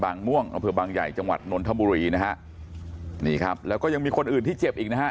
ม่วงอำเภอบางใหญ่จังหวัดนนทบุรีนะฮะนี่ครับแล้วก็ยังมีคนอื่นที่เจ็บอีกนะฮะ